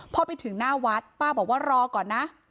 พอไปถึงหน้าวัดป้าบอกว่ารอก่อนนะ